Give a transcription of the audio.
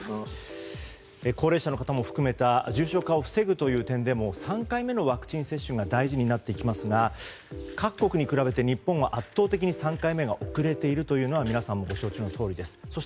高齢者の方も含めた重症化を防ぐという点でも３回目のワクチン接種が大事になってきますが各国に比べて日本は圧倒的に３回目が遅れているというのは皆さんもご承知のとおりです。